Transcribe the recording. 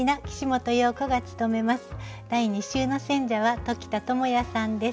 第２週の選者は鴇田智哉さんです。